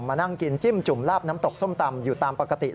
มานั่งกินจิ้มจุ่มลาบน้ำตกส้มตำอยู่ตามปกติ